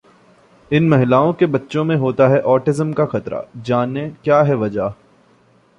इन महिलाओं के बच्चों में होता है 'ऑटिज्म' का खतरा, जानें क्या है वजह